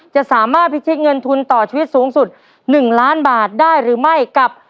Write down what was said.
จะสามารถพิชิตเงินทุนต่อชีวิตสูงสุด๑ล้านบาทได้หรือไม่กับ